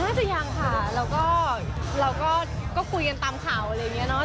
น่าจะยังค่ะแล้วก็คุยกันตามข่าวอะไรอย่างนี้เนอะ